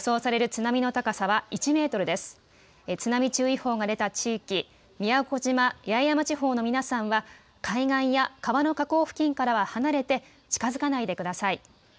津波注意報が出た地域、宮古島・八重山地方の皆さんは海岸や川の河口付近からは離れて近づかないでください。